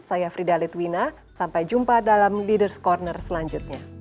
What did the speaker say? saya fridhalid wina sampai jumpa dalam leaders corner selanjutnya